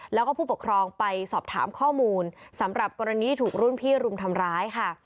แล้วก็ผู้ปกครองไปสอบถามข้อมูลสำหรับกรณีถูกรุ่นพี่รุมทำร้ายค่ะ